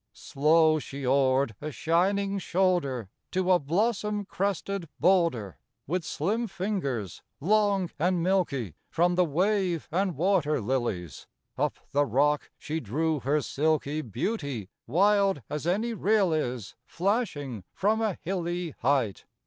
Slow she oared a shining shoulder To a blossom crested boulder. With slim fingers, long and milky, From the wave and water lilies, Up the rock she drew her silky Beauty, wild as any rill is Flashing from a hilly height.